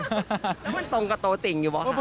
แล้วมันตรงกับตัวจริงอยู่หรือเปล่าครับ